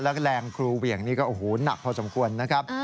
แล้วก็แรงครูเหวี่ยงนี่ก็โอ้โหหนักพอสมควรนะครับ